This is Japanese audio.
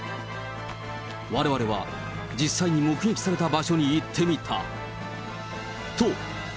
われわれは、実際に目撃された場所に行ってみた。